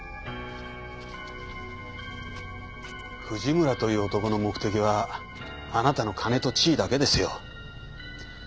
藤村という男の目的はあなたの金と地位だけですよ。